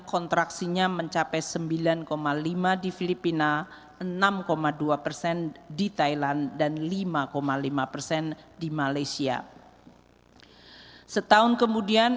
kontraksinya mencapai sembilan lima di filipina enam dua persen di thailand dan lima lima persen di malaysia setahun kemudian